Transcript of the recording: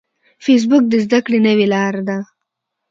فېسبوک د زده کړې نوې لاره ده